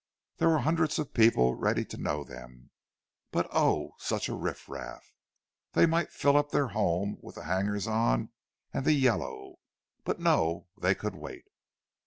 There were hundreds of people ready to know them—but oh, such a riffraff! They might fill up their home with the hangers on and the yellow, but no, they could wait.